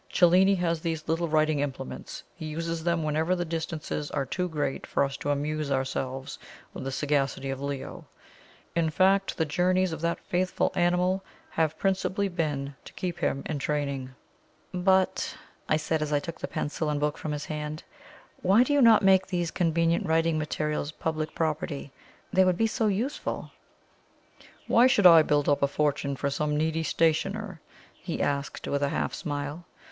Cellini has these little writing implements; he uses them whenever the distances are too great for us to amuse ourselves with the sagacity of Leo in fact the journeys of that faithful animal have principally been to keep him in training." "But," I said, as I took the pencil and book from his hand, "why do you not make these convenient writing materials public property? They would be so useful." "Why should I build up a fortune for some needy stationer?" he asked, with a half smile.